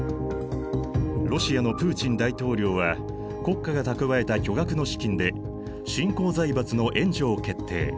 ロシアのプーチン大統領は国家が蓄えた巨額の資金で新興財閥の援助を決定。